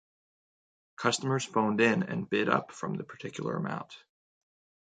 Customers phoned in and bid up from the particular amount.